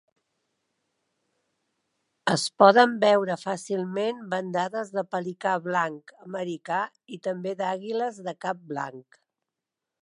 Es poden veure fàcilment bandades de pelicà blanc americà i també d'àguiles de cap blanc.